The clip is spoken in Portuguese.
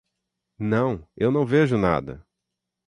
Não, eu não vejo nada.